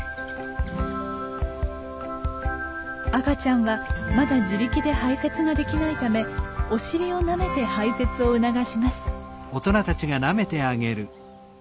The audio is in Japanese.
赤ちゃんはまだ自力で排泄ができないためお尻をなめて排泄を促します。